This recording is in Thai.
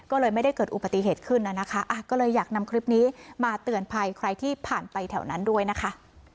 ก็เลยไม่ได้เกิดอุบัติเหตุขึ้นนะคะก็เลยอยากนำคลิปนี้มาเตือนภัยใครที่ผ่านไปแถวนั้นด้วยนะคะ